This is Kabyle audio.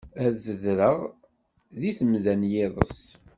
Ad zedreɣ deg temda n yiḍes.